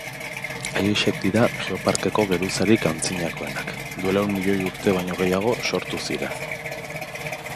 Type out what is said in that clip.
haiexek dira Geoparkeko geruzarik antzinakoenak: duela ehun milioi urte baino gehiago sortu ziren.